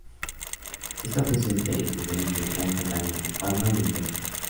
Está presente en Tenerife, Gran Canaria, La Palma y El Hierro.